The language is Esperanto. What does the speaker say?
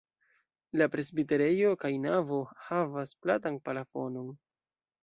La presbiterejo kaj navo havas platan plafonon.